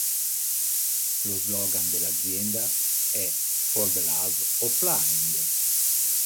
Lo slogan dell'azienda è "For The Love Of Flying".